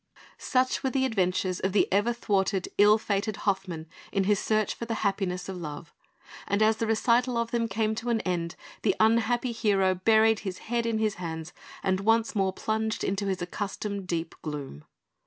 Such were the adventures of the ever thwarted, ill fated Hoffmann in his search for the happiness of love; and as the recital of them came to an end, the unhappy hero buried his head in his hands, and once more plunged in his accustomed deep gloom.